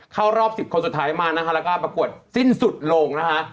เข้ารอบ๑๐คนสุดท้ายมานะคะแล้วก็ประกวดสิ้นสุดลงนะคะ